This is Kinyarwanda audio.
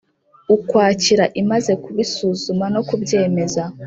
Ukwakira imaze kubisuzuma no kubyemeza